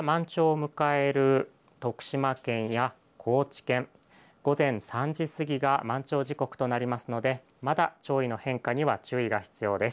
そして、これから満潮を迎える徳島県や高知県午前３時すぎが満潮時刻となりますのでまだ潮位の変化には注意が必要です。